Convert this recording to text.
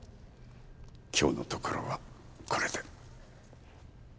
今日のところはこれで。